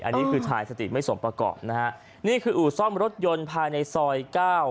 อันนี้คือชายสติไม่สมประกอบนะฮะนี่คืออู่ซ่อมรถยนต์ภายในซอยเก้า